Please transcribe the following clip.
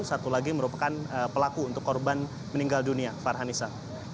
satu lagi merupakan pelaku untuk korban meninggal dunia farhanisa